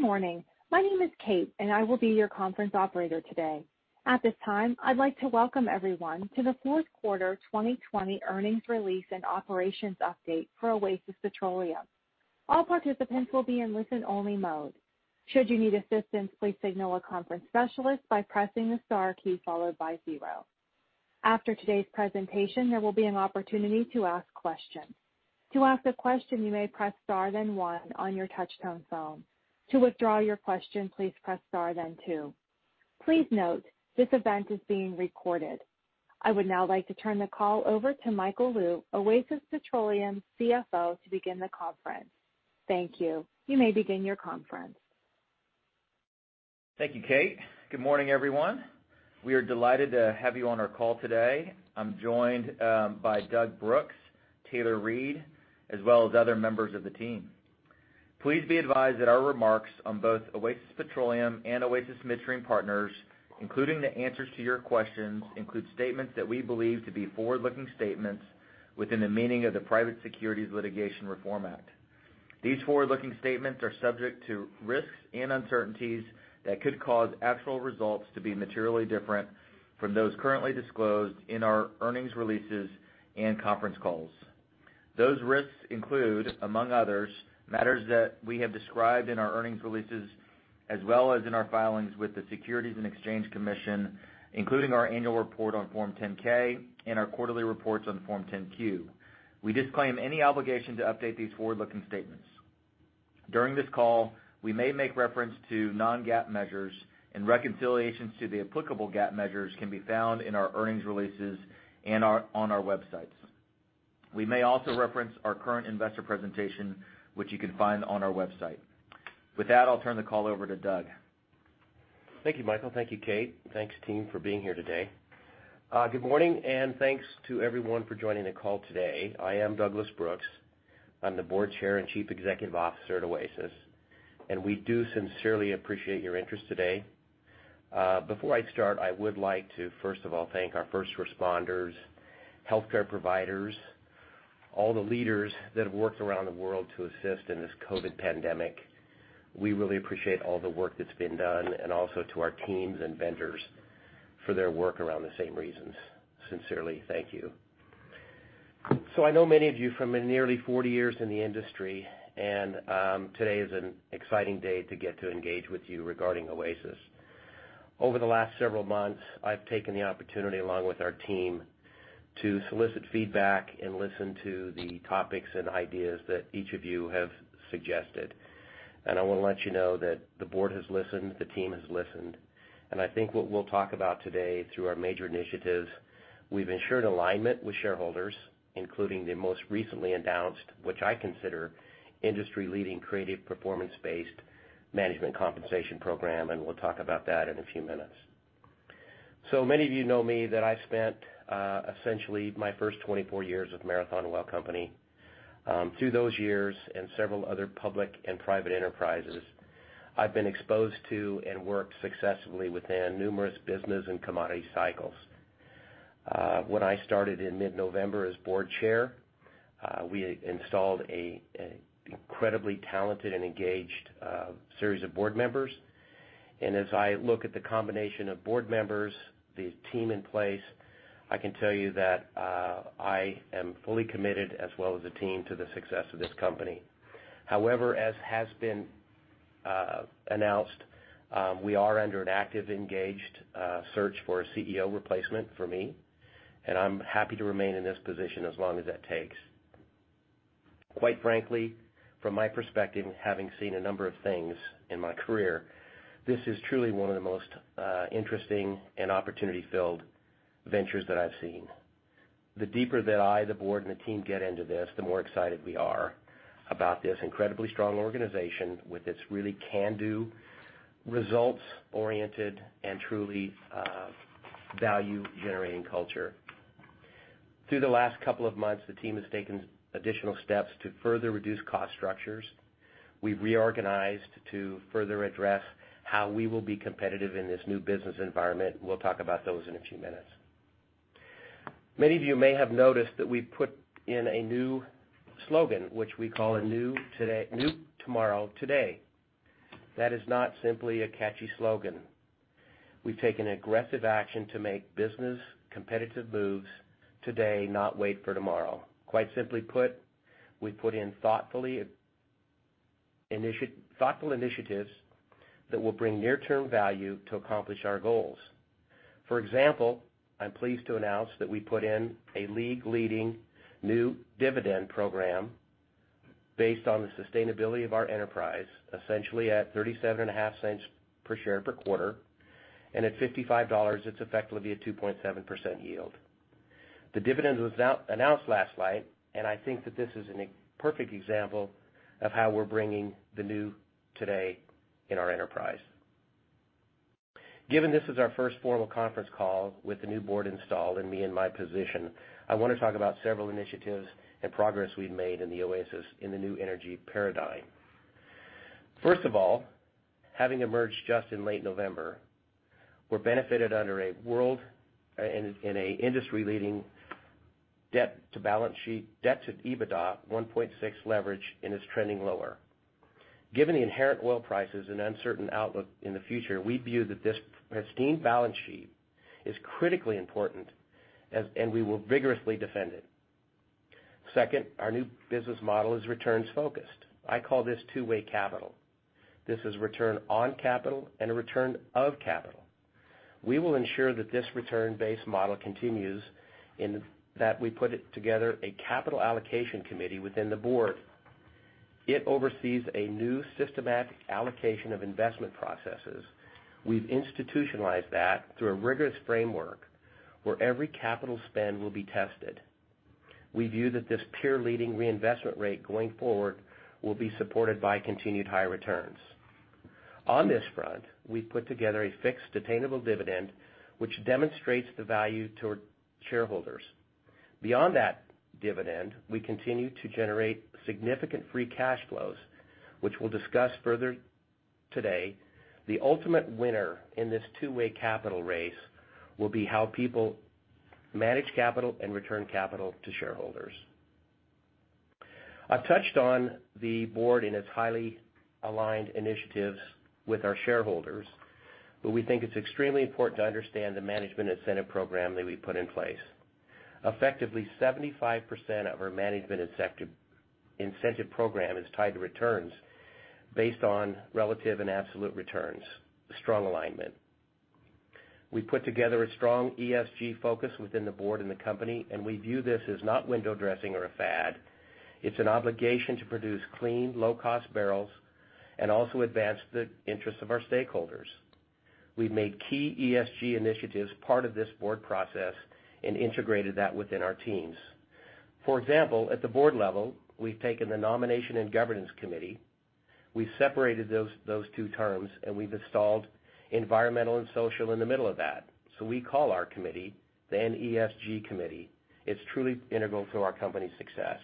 Good morning. My name is Kate, and I will be your conference operator today. At this time, I'd like to welcome everyone to the fourth quarter 2020 earnings release and operations update for Oasis Petroleum. All participants will be in listen-only mode. Should you need assistance, please signal a conference specialist by pressing the star key followed by zero. After today's presentation, there will be an opportunity to ask questions. To ask a question, you may press star then one on your touch-tone phone. To withdraw your question, please press star then two. Please note, this event is being recorded. I would now like to turn the call over to Michael Lou, Oasis Petroleum's CFO, to begin the conference. Thank you. You may begin your conference. Thank you, Kate. Good morning, everyone. We are delighted to have you on our call today. I'm joined by Doug Brooks, Taylor Reid, as well as other members of the team. Please be advised that our remarks on both Oasis Petroleum and Oasis Midstream Partners, including the answers to your questions, include statements that we believe to be forward-looking statements within the meaning of the Private Securities Litigation Reform Act. These forward-looking statements are subject to risks and uncertainties that could cause actual results to be materially different from those currently disclosed in our earnings releases and conference calls. Those risks include, among others, matters that we have described in our earnings releases as well as in our filings with the Securities and Exchange Commission, including our annual report on Form 10-K and our quarterly reports on Form 10-Q. We disclaim any obligation to update these forward-looking statements. During this call, we may make reference to non-GAAP measures, and reconciliations to the applicable GAAP measures can be found in our earnings releases and on our websites. We may also reference our current investor presentation, which you can find on our website. With that, I'll turn the call over to Doug. Thank you, Michael. Thank you, Kate. Thanks, team, for being here today. Good morning. Thanks to everyone for joining the call today. I am Douglas Brooks. I'm the Board Chair and Chief Executive Officer at Oasis. We do sincerely appreciate your interest today. Before I start, I would like to, first of all, thank our first responders, healthcare providers, all the leaders that have worked around the world to assist in this COVID pandemic. We really appreciate all the work that's been done. Also to our teams and vendors for their work around the same reasons. Sincerely, thank you. I know many of you from my nearly 40 years in the industry. Today is an exciting day to get to engage with you regarding Oasis. Over the last several months, I've taken the opportunity, along with our team, to solicit feedback and listen to the topics and ideas that each of you have suggested. I want to let you know that the Board has listened, the team has listened, and I think what we'll talk about today through our major initiatives, we've ensured alignment with shareholders, including the most recently announced, which I consider industry-leading creative performance-based management compensation program, and we'll talk about that in a few minutes. Many of you know me that I spent essentially my first 24 years with Marathon Oil Company. Through those years and several other public and private enterprises, I've been exposed to and worked successfully within numerous business and commodity cycles. When I started in mid-November as Board Chair, we installed an incredibly talented and engaged series of Board members. As I look at the combination of board members, the team in place, I can tell you that I am fully committed as well as the team to the success of this company. However, as has been announced, we are under an active, engaged search for a CEO replacement for me, and I'm happy to remain in this position as long as that takes. Quite frankly, from my perspective, having seen a number of things in my career, this is truly one of the most interesting and opportunity-filled ventures that I've seen. The deeper that I, the board, and the team get into this, the more excited we are about this incredibly strong organization with its really can-do, results-oriented, and truly value-generating culture. Through the last couple of months, the team has taken additional steps to further reduce cost structures. We've reorganized to further address how we will be competitive in this new business environment. We'll talk about those in a few minutes. Many of you may have noticed that we put in a new slogan, which we call A New Tomorrow, Today. That is not simply a catchy slogan. We've taken aggressive action to make business-competitive moves today, not wait for tomorrow. Quite simply put, we put in thoughtful initiatives that will bring near-term value to accomplish our goals. For example, I'm pleased to announce that we put in a league-leading new dividend program based on the sustainability of our enterprise, essentially at $0.375 per share per quarter, and at $55, it's effectively a 2.7% yield. The dividend was announced last night. I think that this is a perfect example of how we're bringing the new today in our enterprise. Given this is our first formal conference call with the new board installed and me in my position, I want to talk about several initiatives and progress we've made in the Oasis in the new energy paradigm. First of all, having emerged just in late November, we benefited under a world and an industry-leading debt to balance sheet, debt to EBITDA 1.6 leverage and is trending lower. Given the inherent oil prices and uncertain outlook in the future, we view that this pristine balance sheet is critically important and we will vigorously defend it. Second, our new business model is returns-focused. I call this two-way capital. This is return on capital and a return of capital. We will ensure that this return-based model continues in that we put together a capital allocation committee within the board. It oversees a new systematic allocation of investment processes. We've institutionalized that through a rigorous framework where every capital spend will be tested. We view that this peer-leading reinvestment rate going forward will be supported by continued high returns. On this front, we've put together a fixed attainable dividend, which demonstrates the value to our shareholders. Beyond that dividend, we continue to generate significant free cash flows, which we'll discuss further today. The ultimate winner in this two-way capital race will be how people manage capital and return capital to shareholders. I've touched on the board and its highly aligned initiatives with our shareholders, but we think it's extremely important to understand the management incentive program that we put in place. Effectively, 75% of our management incentive program is tied to returns based on relative and absolute returns. Strong alignment. We put together a strong ESG focus within the board and the company. We view this as not window dressing or a fad. It's an obligation to produce clean, low-cost barrels and also advance the interests of our stakeholders. We've made key ESG initiatives part of this board process and integrated that within our teams. For example, at the board level, we've taken the nomination and governance committee, we've separated those two terms. We've installed environmental and social in the middle of that. We call our committee the NESG committee. It's truly integral to our company's success.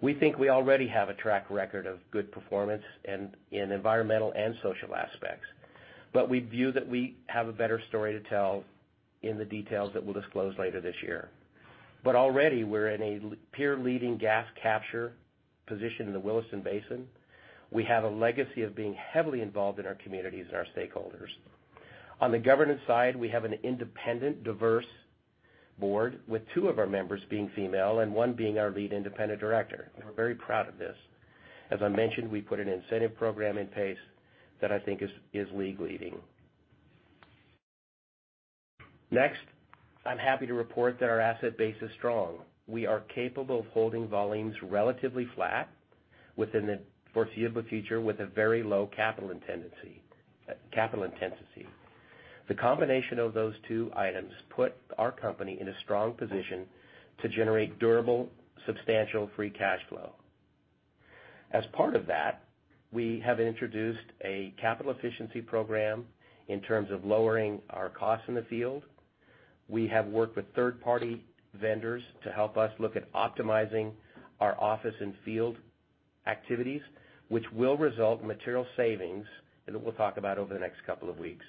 We think we already have a track record of good performance in environmental and social aspects. We view that we have a better story to tell in the details that we'll disclose later this year. Already, we're in a peer-leading gas capture position in the Williston Basin. We have a legacy of being heavily involved in our communities and our stakeholders. On the governance side, we have an independent, diverse board with two of our members being female and one being our lead independent director, and we're very proud of this. As I mentioned, we put an incentive program in place that I think is league-leading. Next, I'm happy to report that our asset base is strong. We are capable of holding volumes relatively flat within the foreseeable future with a very low capital intensity. The combination of those two items put our company in a strong position to generate durable, substantial free cash flow. As part of that, we have introduced a capital efficiency program in terms of lowering our costs in the field. We have worked with third-party vendors to help us look at optimizing our office and field activities, which will result in material savings that we'll talk about over the next couple of weeks.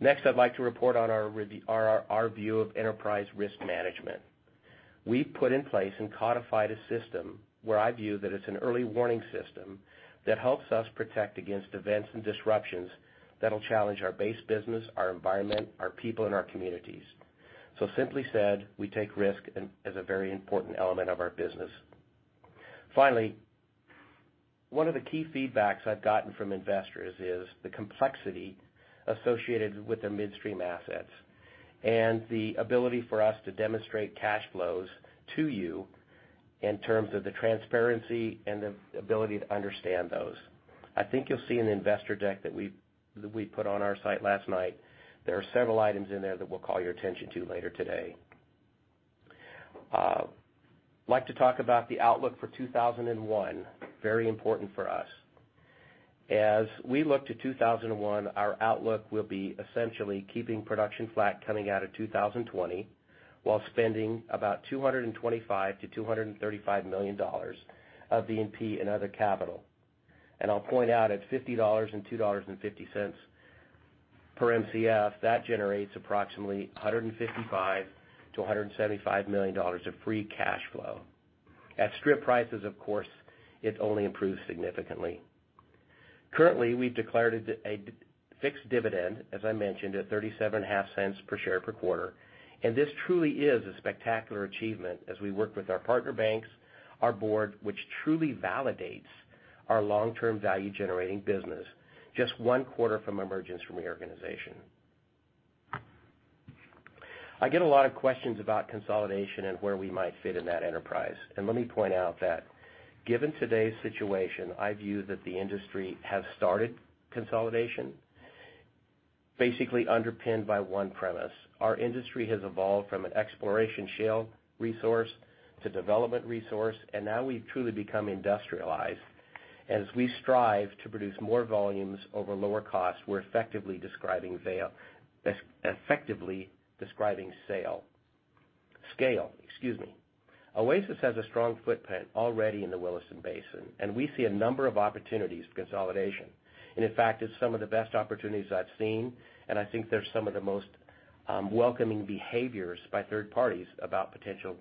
Next, I'd like to report on our view of enterprise risk management. We've put in place and codified a system where I view that it's an early warning system that helps us protect against events and disruptions that'll challenge our base business, our environment, our people, and our communities. Simply said, we take risk as a very important element of our business. Finally, one of the key feedbacks I've gotten from investors is the complexity associated with the midstream assets and the ability for us to demonstrate cash flows to you in terms of the transparency and the ability to understand those. I think you'll see in the investor deck that we put on our site last night, there are several items in there that we'll call your attention to later today. I'd like to talk about the outlook for 2021, very important for us. As we look to 2021, our outlook will be essentially keeping production flat coming out of 2020, while spending $225 million-$235 million of D&C and other capital. I'll point out at $50 and $2.50 per Mcf, that generates approximately $155 million-$175 million of free cash flow. At strip prices, of course, it only improves significantly. Currently, we've declared a fixed dividend, as I mentioned, at $0.375 per share per quarter. This truly is a spectacular achievement as we work with our partner banks, our Board, which truly validates our long-term value-generating business just one quarter from emergence from reorganization. I get a lot of questions about consolidation and where we might fit in that enterprise. Let me point out that given today's situation, I view that the industry has started consolidation, basically underpinned by one premise. Our industry has evolved from an exploration shale resource to development resource, and now we've truly become industrialized. As we strive to produce more volumes over lower costs, we're effectively describing scale. Scale, excuse me. Oasis has a strong footprint already in the Williston Basin, and we see a number of opportunities for consolidation. In fact, it's some of the best opportunities I've seen, and I think they're some of the most welcoming behaviors by third parties about potential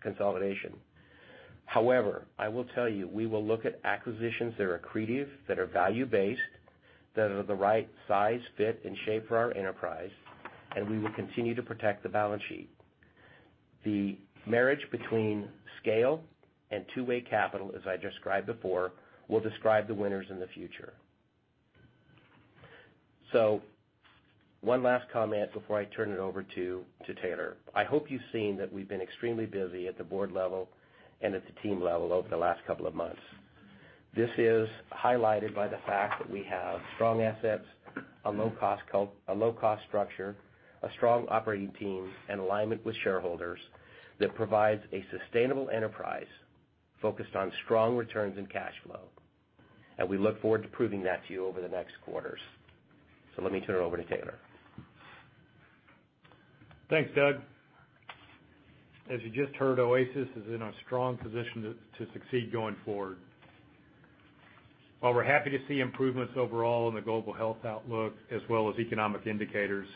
consolidation. However, I will tell you, we will look at acquisitions that are accretive, that are value-based, that are the right size, fit, and shape for our enterprise, and we will continue to protect the balance sheet. The marriage between scale and two-way capital, as I described before, will describe the winners in the future. One last comment before I turn it over to Taylor. I hope you've seen that we've been extremely busy at the board level and at the team level over the last couple of months. This is highlighted by the fact that we have strong assets, a low cost structure, a strong operating team, and alignment with shareholders that provides a sustainable enterprise focused on strong returns and cash flow. We look forward to proving that to you over the next quarters. Let me turn it over to Taylor. Thanks, Doug. As you just heard, Oasis is in a strong position to succeed going forward. While we're happy to see improvements overall in the global health outlook as well as economic indicators,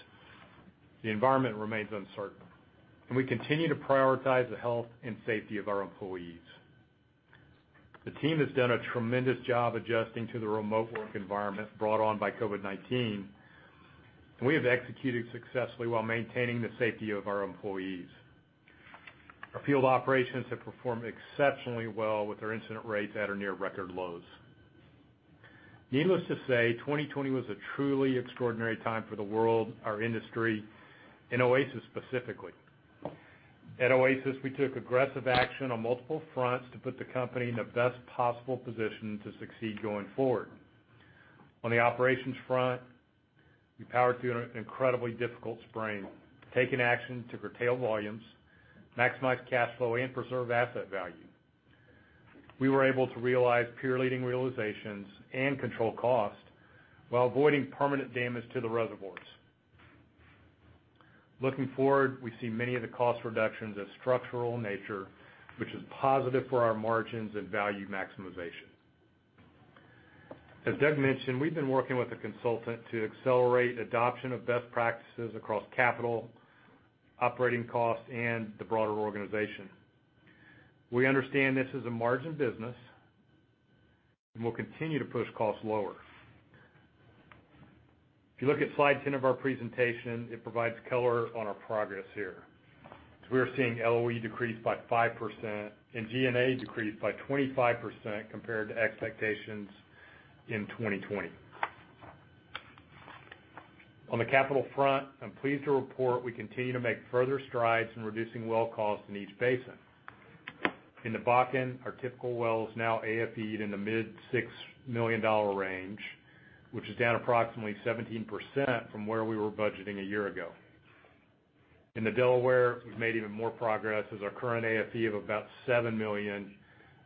the environment remains uncertain, and we continue to prioritize the health and safety of our employees. The team has done a tremendous job adjusting to the remote work environment brought on by COVID-19, and we have executed successfully while maintaining the safety of our employees. Our field operations have performed exceptionally well with our incident rates at or near record lows. Needless to say, 2020 was a truly extraordinary time for the world, our industry, and Oasis specifically. At Oasis, we took aggressive action on multiple fronts to put the company in the best possible position to succeed going forward. On the operations front, we powered through an incredibly difficult spring, taking action to curtail volumes, maximize cash flow, and preserve asset value. We were able to realize peer-leading realizations and control cost while avoiding permanent damage to the reservoirs. Looking forward, we see many of the cost reductions of structural nature, which is positive for our margins and value maximization. As Doug mentioned, we've been working with a consultant to accelerate adoption of best practices across capital, operating costs, and the broader organization. We understand this is a margin business, we'll continue to push costs lower. If you look at slide 10 of our presentation, it provides color on our progress here. As we are seeing LOE decrease by 5% and G&A decrease by 25% compared to expectations in 2020. On the capital front, I'm pleased to report we continue to make further strides in reducing well costs in each basin. In the Bakken, our typical well is now AFE'd in the mid $6 million range, which is down approximately 17% from where we were budgeting a year ago. In the Delaware, we've made even more progress as our current AFE of about $7 million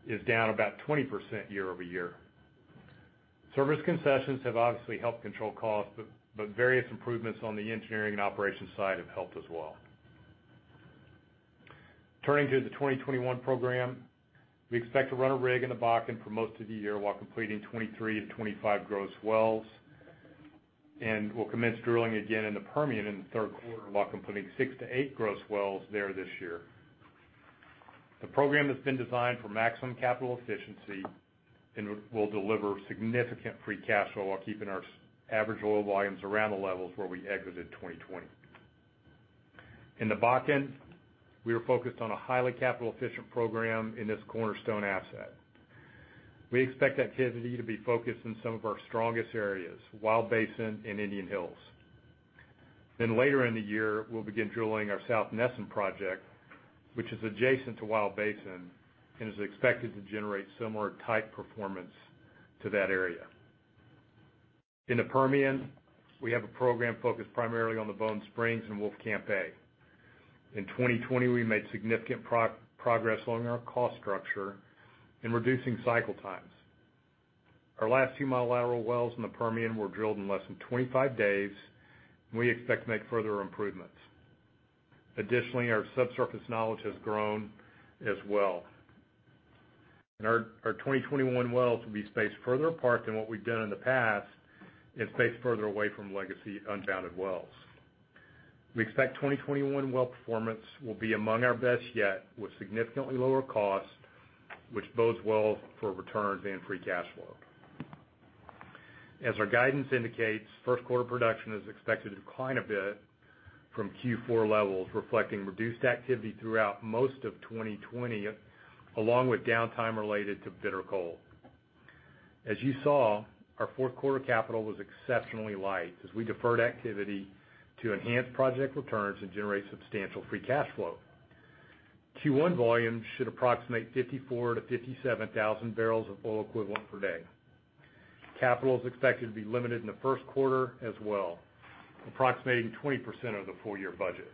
is down about 20% year-over-year. Service concessions have obviously helped control costs, but various improvements on the engineering and operations side have helped as well. Turning to the 2021 program, we expect to run a rig in the Bakken for most of the year while completing 23-25 gross wells, and we'll commence drilling again in the Permian in the third quarter while completing six to eight gross wells there this year. The program has been designed for maximum capital efficiency and will deliver significant free cash flow while keeping our average oil volumes around the levels where we exited 2020. In the Bakken, we are focused on a highly capital-efficient program in this cornerstone asset. We expect activity to be focused in some of our strongest areas, Wild Basin and Indian Hills. Later in the year, we'll begin drilling our South Nesson project, which is adjacent to Wild Basin and is expected to generate similar type performance to that area. In the Permian, we have a program focused primarily on the Bone Springs and Wolfcamp A. In 2020, we made significant progress along our cost structure in reducing cycle times. Our last two multilateral wells in the Permian were drilled in less than 25 days, and we expect to make further improvements. Additionally, our subsurface knowledge has grown as well. Our 2021 wells will be spaced further apart than what we've done in the past and spaced further away from legacy unbounded wells. We expect 2021 well performance will be among our best yet, with significantly lower costs, which bodes well for return on advanced free cash flow. As our guidance indicates, first quarter production is expected to decline a bit from Q4 levels, reflecting reduced activity throughout most of 2020, along with downtime related to bitter cold. As you saw, our fourth quarter capital was exceptionally light as we deferred activity to enhance project returns and generate substantial free cash flow. Q1 volumes should approximate 54,000-57,000 bbl of oil equivalent per day. Capital is expected to be limited in the first quarter as well, approximating 20% of the full-year budget.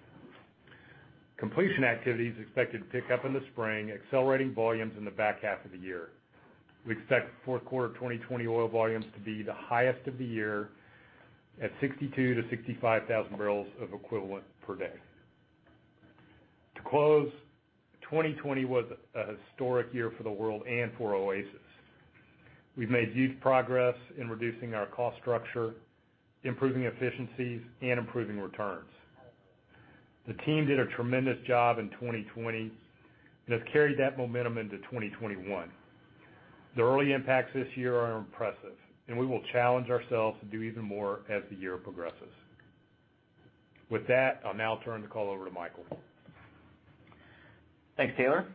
Completion activity is expected to pick up in the spring, accelerating volumes in the back half of the year. We expect fourth quarter 2020 oil volumes to be the highest of the year at 62,000-65,000 bbl of equivalent per day. To close, 2020 was a historic year for the world and for Oasis. We've made huge progress in reducing our cost structure, improving efficiencies, and improving returns. The team did a tremendous job in 2020 and have carried that momentum into 2021. The early impacts this year are impressive, and we will challenge ourselves to do even more as the year progresses. With that, I'll now turn the call over to Michael. Thanks, Taylor.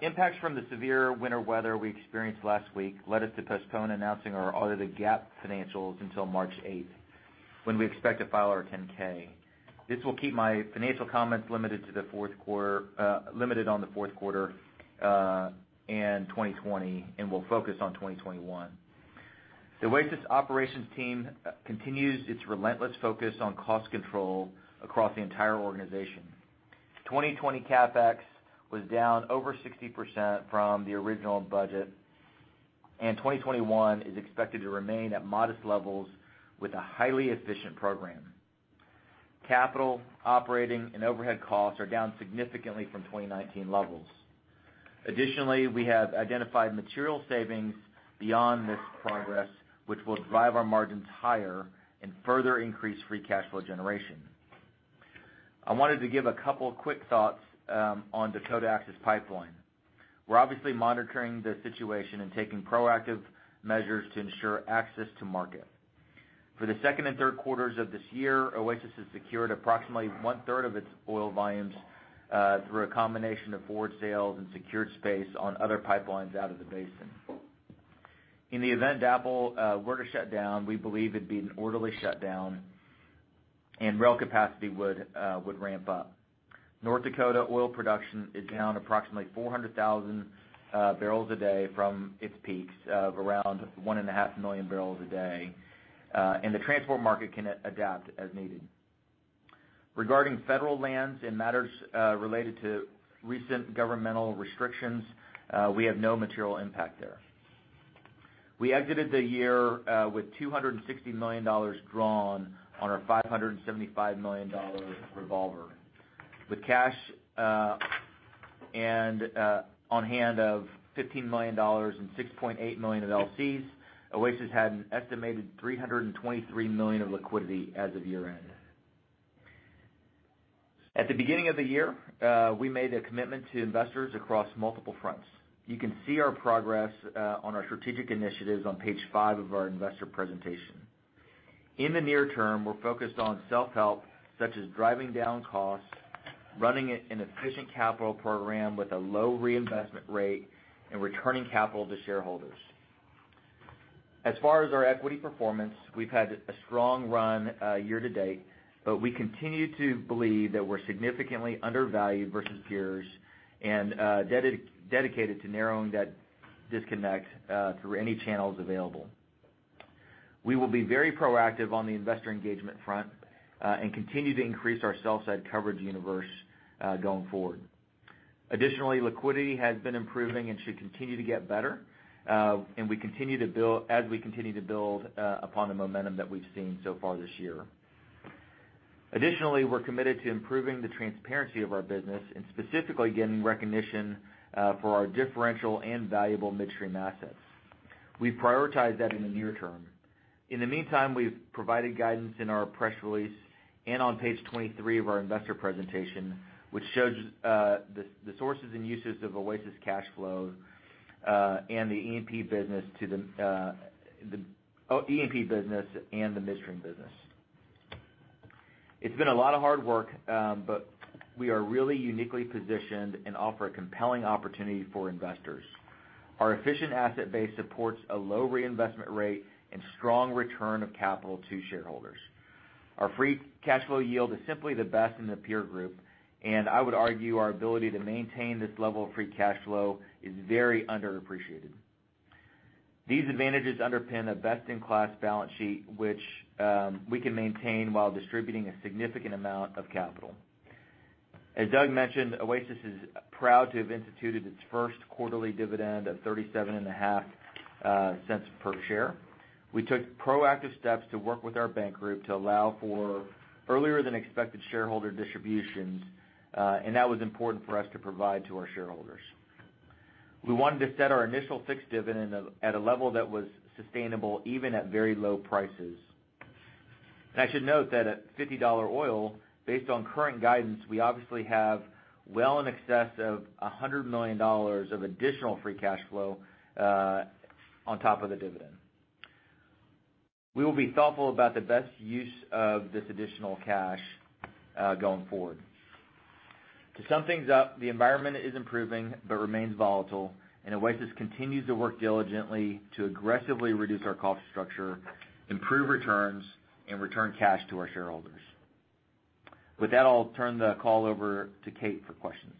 Impacts from the severe winter weather we experienced last week led us to postpone announcing our audited GAAP financials until March 8th, when we expect to file our 10-K. This will keep my financial comments limited on the fourth quarter and 2020, will focus on 2021. The Oasis operations team continues its relentless focus on cost control across the entire organization. 2020 CapEx was down over 60% from the original budget, 2021 is expected to remain at modest levels with a highly efficient program. Capital operating and overhead costs are down significantly from 2019 levels. Additionally, we have identified material savings beyond this progress, which will drive our margins higher and further increase free cash flow generation. I wanted to give a couple of quick thoughts on Dakota Access Pipeline. We're obviously monitoring the situation and taking proactive measures to ensure access to market. For the second and third quarters of this year, Oasis has secured approximately one-third of its oil volumes through a combination of forward sales and secured space on other pipelines out of the basin. In the event DAPL were to shut down, we believe it'd be an orderly shutdown, and rail capacity would ramp up. North Dakota oil production is down approximately 400,000 bbl a day from its peaks of around 1.5 million barrels a day, and the transport market can adapt as needed. Regarding federal lands and matters related to recent governmental restrictions, we have no material impact there. We exited the year with $260 million drawn on our $575 million revolver. With cash on hand of $15 million and $6.8 million of LCs, Oasis had an estimated $323 million of liquidity as of year-end. At the beginning of the year, we made a commitment to investors across multiple fronts. You can see our progress on our strategic initiatives on page five of our investor presentation. In the near term, we're focused on self-help, such as driving down costs, running an efficient capital program with a low reinvestment rate, and returning capital to shareholders. As far as our equity performance, we've had a strong run year to date, but we continue to believe that we're significantly undervalued versus peers and dedicated to narrowing that disconnect through any channels available. We will be very proactive on the investor engagement front and continue to increase our sell-side coverage universe going forward. Additionally, liquidity has been improving and should continue to get better as we continue to build upon the momentum that we've seen so far this year. Additionally, we're committed to improving the transparency of our business and specifically getting recognition for our differential and valuable midstream assets. We prioritize that in the near term. In the meantime, we've provided guidance in our press release and on page 23 of our investor presentation, which shows the sources and uses of Oasis cash flow, and the E&P business and the midstream business. It's been a lot of hard work, but we are really uniquely positioned and offer a compelling opportunity for investors. Our efficient asset base supports a low reinvestment rate and strong return of capital to shareholders. Our free cash flow yield is simply the best in the peer group, and I would argue our ability to maintain this level of free cash flow is very underappreciated. These advantages underpin a best-in-class balance sheet, which we can maintain while distributing a significant amount of capital. As Doug mentioned, Oasis is proud to have instituted its first quarterly dividend at $0.375 per share. We took proactive steps to work with our bank group to allow for earlier-than-expected shareholder distributions, and that was important for us to provide to our shareholders. We wanted to set our initial fixed dividend at a level that was sustainable, even at very low prices. I should note that at $50 oil, based on current guidance, we obviously have well in excess of $100 million of additional free cash flow on top of the dividend. We will be thoughtful about the best use of this additional cash going forward. To sum things up, the environment is improving but remains volatile, and Oasis continues to work diligently to aggressively reduce our cost structure, improve returns, and return cash to our shareholders. With that, I'll turn the call over to Kate for questions.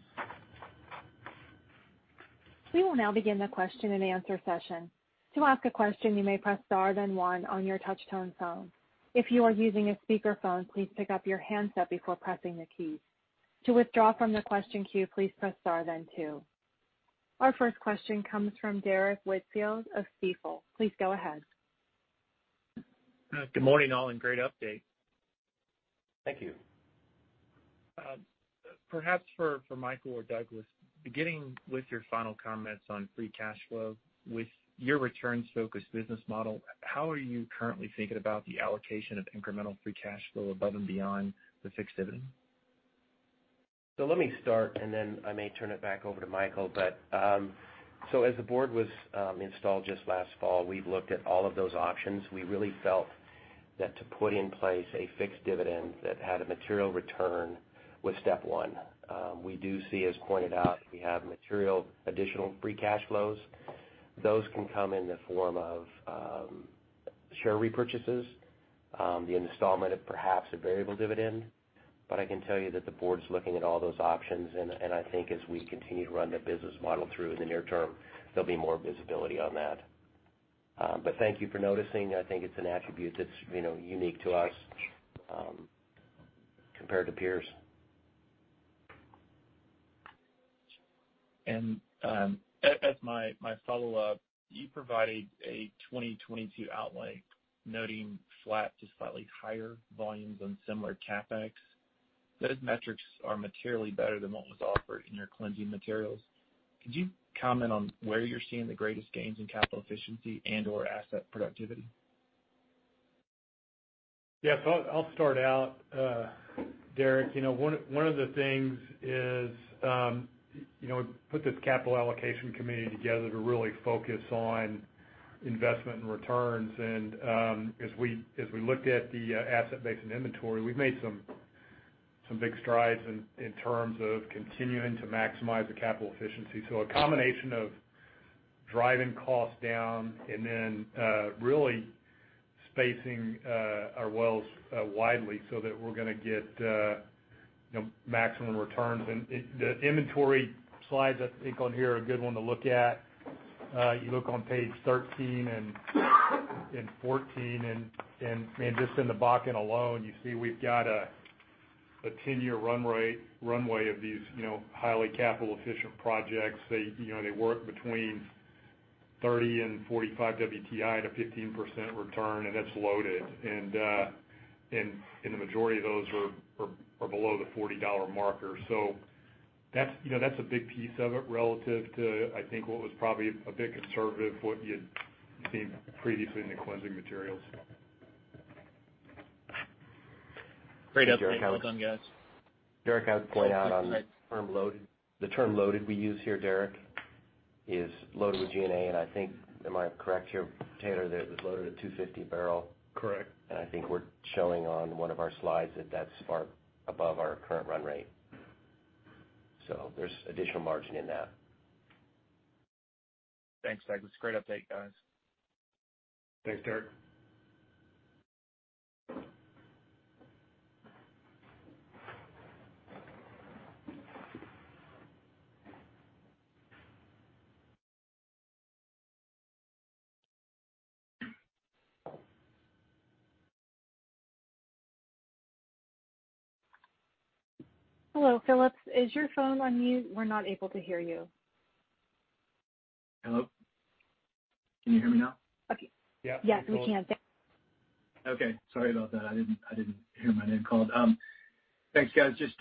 We will now begin the question and answer session. To ask a question, you may press star then one on your touch-tone phone. If you are using a speakerphone, please pick up your handset before pressing the key. To withdraw from the question queue, please press star then two. Our first question comes from Derrick Whitfield of Stifel. Please go ahead. Good morning, all, and great update. Thank you. Perhaps for Michael or Douglas, beginning with your final comments on free cash flow, with your returns-focused business model, how are you currently thinking about the allocation of incremental free cash flow above and beyond the fixed dividend? Let me start, and then I may turn it back over to Michael. As the board was installed just last fall, we've looked at all of those options. We really felt that to put in place a fixed dividend that had a material return was step one. We do see, as pointed out, we have material additional free cash flows. Those can come in the form of share repurchases, the installment of perhaps a variable dividend. I can tell you that the board's looking at all those options, and I think as we continue to run the business model through in the near term, there'll be more visibility on that. Thank you for noticing. I think it's an attribute that's unique to us compared to peers. As my follow-up, you provided a 2022 outlay noting flat to slightly higher volumes on similar CapEx. Those metrics are materially better than what was offered in your cleansing materials. Could you comment on where you're seeing the greatest gains in capital efficiency and/or asset productivity? Yes. I'll start out, Derrick. One of the things is we put this capital allocation committee together to really focus on investment and returns, and as we looked at the asset base and inventory, we've made some big strides in terms of continuing to maximize the capital efficiency. A combination of driving costs down and then really spacing our wells widely so that we're going to get maximum returns. The inventory slides, I think, on here are a good one to look at. You look on page 13 and 14, and just in the Bakken alone, you see we've got a 10-year runway of these highly capital-efficient projects. They work between 30 and 45 WTI at a 15% return, and that's loaded. The majority of those are below the $40 marker. That's a big piece of it relative to, I think, what was probably a bit conservative, what you'd seen previously in the cleansing materials. Great update. Well done, guys. Derrick, I would point out on the term loaded we use here, Derrick, is loaded with G&A, and I think, am I correct here, Taylor, that it was loaded at $2.50 a barrel? Correct. I think we're showing on one of our slides that that's far above our current run rate. There's additional margin in that. Thanks, Douglas. Great update, guys. Thanks, Derrick. Hello, Philip. Is your phone on mute? We're not able to hear you. Hello? Can you hear me now? Okay. Yeah. Yes, we can. Okay. Sorry about that. I didn't hear my name called. Thanks, guys. Just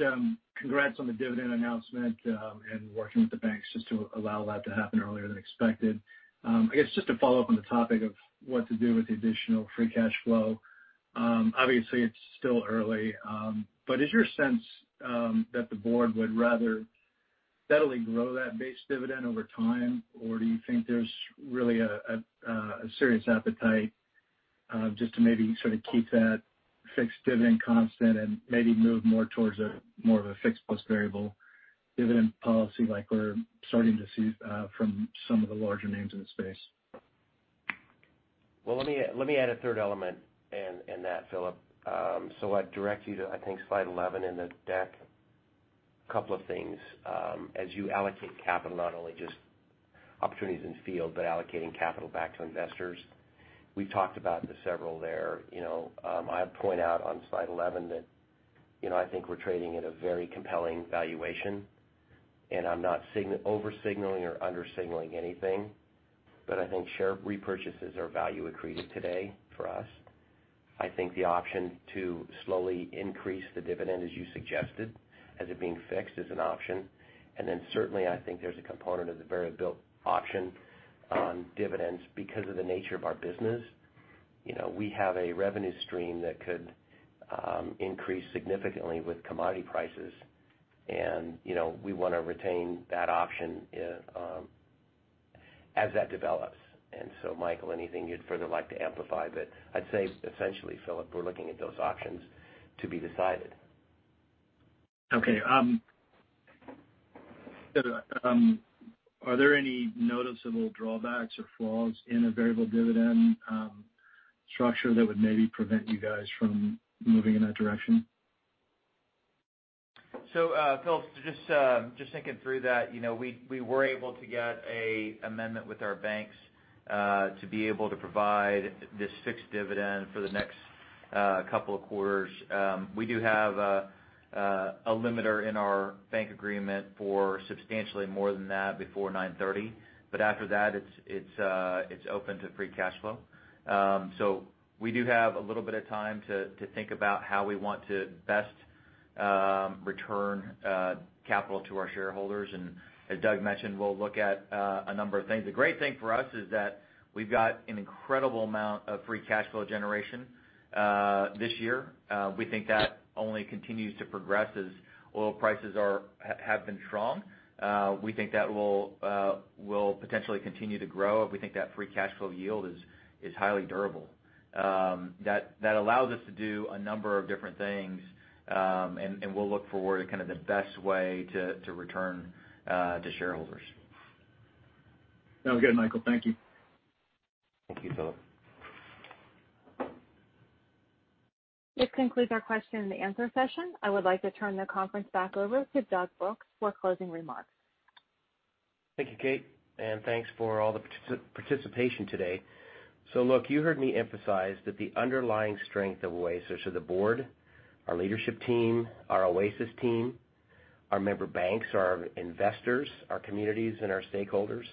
congrats on the dividend announcement, and working with the banks just to allow that to happen earlier than expected. I guess just to follow up on the topic of what to do with the additional free cash flow. Obviously, it's still early. Is your sense that the board would rather steadily grow that base dividend over time, or do you think there's really a serious appetite just to maybe sort of keep that fixed dividend constant and maybe move more towards a more of a fixed plus variable dividend policy like we're starting to see from some of the larger names in the space? Let me add a third element in that, Philip. I'd direct you to, I think, slide 11 in the deck. Couple of things. As you allocate capital, not only just opportunities in field, but allocating capital back to investors, we've talked about the several there. I point out on slide 11 that I think we're trading at a very compelling valuation, and I'm not over-signaling or under-signaling anything, but I think share repurchases are value accretive today for us. I think the option to slowly increase the dividend, as you suggested, as it being fixed, is an option. Certainly, I think there's a component of the variable option on dividends because of the nature of our business. We have a revenue stream that could increase significantly with commodity prices, and we want to retain that option as that develops. Michael, anything you'd further like to amplify? I'd say essentially, Philip, we're looking at those options to be decided. Okay. Are there any noticeable drawbacks or flaws in a variable dividend structure that would maybe prevent you guys from moving in that direction? Philip, just thinking through that. We were able to get an amendment with our banks. To be able to provide this fixed dividend for the next couple of quarters. We do have a limiter in our bank agreement for substantially more than that before 9/30, but after that, it's open to free cash flow. We do have a little bit of time to think about how we want to best return capital to our shareholders. As Doug mentioned, we'll look at a number of things. The great thing for us is that we've got an incredible amount of free cash flow generation this year. We think that only continues to progress as oil prices have been strong. We think that will potentially continue to grow. We think that free cash flow yield is highly durable. That allows us to do a number of different things, and we'll look for the best way to return to shareholders. Sounds good, Michael. Thank you. Thank you, Philip. This concludes our question and answer session. I would like to turn the conference back over to Doug Brooks for closing remarks. Thank you, Kate, and thanks for all the participation today. Look, you heard me emphasize that the underlying strength of Oasis are the board, our leadership team, our Oasis team, our member banks, our investors, our communities, and our stakeholders,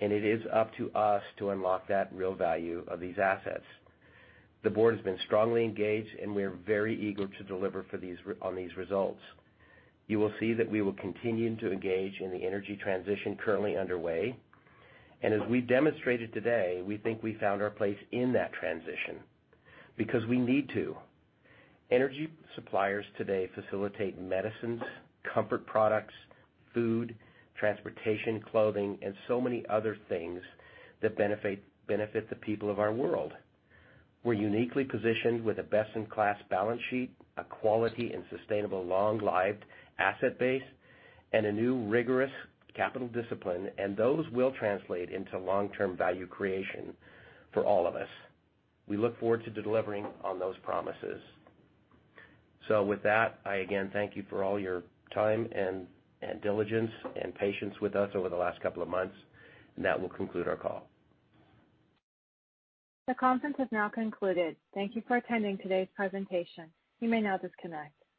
and it is up to us to unlock that real value of these assets. The board has been strongly engaged, and we are very eager to deliver on these results. You will see that we will continue to engage in the energy transition currently underway. As we demonstrated today, we think we found our place in that transition because we need to. Energy suppliers today facilitate medicines, comfort products, food, transportation, clothing, and so many other things that benefit the people of our world. We're uniquely positioned with a best-in-class balance sheet, a quality and sustainable long-lived asset base, and a new rigorous capital discipline, and those will translate into, long-term value creation for all of us. We look forward to delivering on those promises. With that, I again thank you for all your time and diligence and patience with us over the last couple of months, and that will conclude our call. The conference has now concluded. Thank you for attending today's presentation. You may now disconnect.